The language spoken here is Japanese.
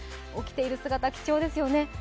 起きている姿、貴重ですよね。